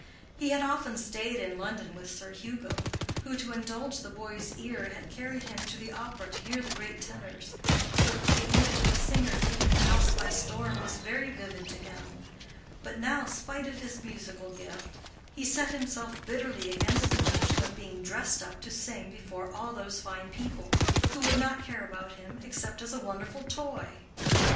He had often stayed in London with Sir Hugo, who to indulge the boy's ear had carried him to the opera to hear the great tenors, so that the image of a singer taking the house by storm was very vivid to him; but now, spite of his musical gift, he set himself bitterly against the notion of being dressed up to sing before all those fine people, who would not care about him except as a wonderful toy.